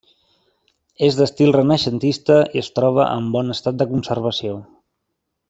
És d'estil renaixentista i es troba en bon estat de conservació.